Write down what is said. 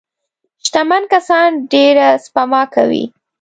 شتمن کسان ډېره سپما کوي.